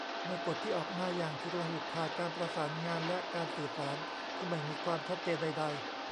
เมื่อกฎที่ออกมาอย่างฉุกละหุก ขาดการประสานงาน และการสื่อสารที่ไม่มีความชัดเจนใดใด